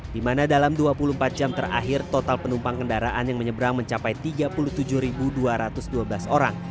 di mana dalam dua puluh empat jam terakhir total penumpang kendaraan yang menyeberang mencapai tiga puluh tujuh dua ratus dua belas orang